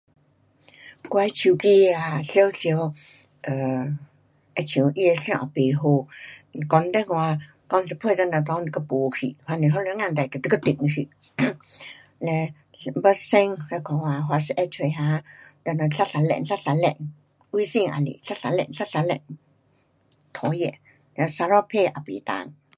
我的手机啊常常 um 好像它的线不好。讲电话讲一半等下内就给没去。还是突然间等就给断去。um 嘞，要 send 那个啊 whatsapp 出哈，等下一直转一直转。微信也是一直转一直转。讨厌，哒，sarawakpay 也不能。